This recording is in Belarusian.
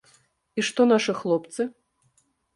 І што нашы хлопцы?